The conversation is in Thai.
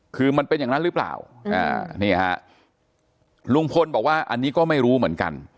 คือมันเป็นอย่างนั้นหรือเปล่านี่ฮะลุงพลบอกว่าอันนี้ก็ไม่รู้เหมือนกัน